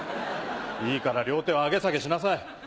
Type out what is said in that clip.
いいから両手を上げ下げしなさい。